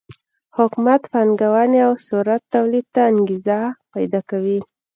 حکومت پانګونې او ثروت تولید ته انګېزه پیدا کوي.